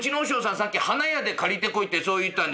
さっき『花屋で借りてこい』ってそう言ったんで」。